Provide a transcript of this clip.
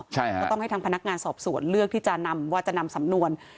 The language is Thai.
ก็ต้องให้ทางพนักงานสอบสวนเลือกที่จะนำว่าจะนำสำนวน